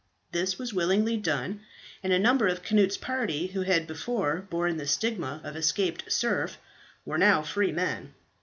This was willingly done, and a number of Cnut's party who had before borne the stigma of escaped serfs were now free men.